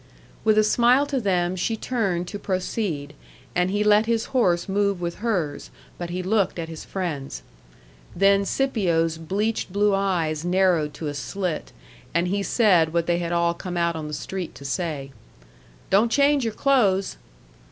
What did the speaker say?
With a smile to them she turned to proceed, and he let his horse move with hers; but he looked at his friends. Then Scipio's bleached blue eyes narrowed to a slit, and he said what they had all come out on the street to say: "Don't change your clothes."